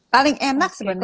paling enak sebenarnya